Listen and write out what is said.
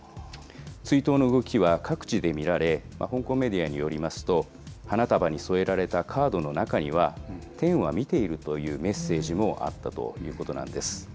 追悼の動きは各地で見られ、香港メディアによりますと、花束に添えられたカードの中には、天は見ているというメッセージもあったということなんです。